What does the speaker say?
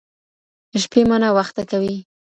شپې مه ناوخته کوئ.